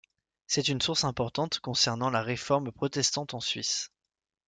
C'est une source importante concernant la Réforme protestante en Suisse.